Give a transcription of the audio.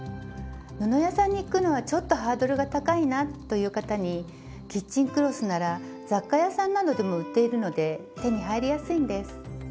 布屋さんに行くのはちょっとハードルが高いなという方にキッチンクロスなら雑貨屋さんなどでも売っているので手に入りやすいんです。